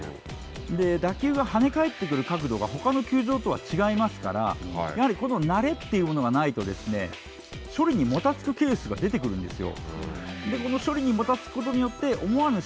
打球がはね返ってくる角度がほかの球場とは違いますから、やはり慣れというものがないと、処理にもたつくケースがあるんですよ。